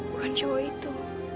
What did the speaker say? bukan cowok itu